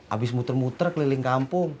habis muter muter keliling kampung